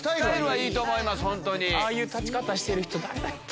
ああいう立ち方してる人誰だっけ？